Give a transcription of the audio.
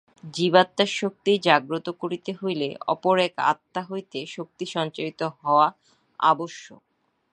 জীবাত্মার শক্তি জাগ্রত করিতে হইলে অপর এক আত্মা হইতে শক্তি সঞ্চারিত হওয়া আবশ্যক।